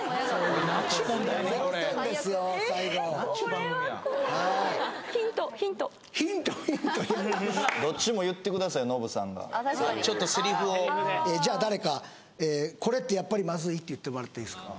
番組やヒントヒントノブさんがちょっとセリフをじゃあ誰か「これってやっぱりまずい？」って言ってもらっていいですか？